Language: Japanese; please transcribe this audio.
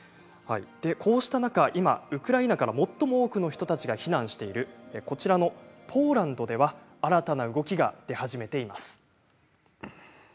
こうした中、今ウクライナから最も多くの人たちが避難しているこちらのポーランドでは新たな動きが出始めています。